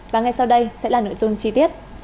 và ngay sau đây sẽ là nội dung chi tiết